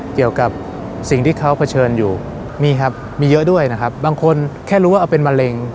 เกี่ยวกับสิ่งที่เขาเผชิญอยู่มีครับมีเยอะด้วยนะครับบางคนแค่รู้ว่าเอาเป็นมะเร็ง